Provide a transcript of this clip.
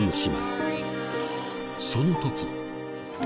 その時。